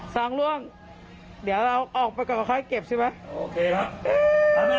ซองร่วงเดี๋ยวเราออกไปก่อนก่อนให้เก็บใช่ไหม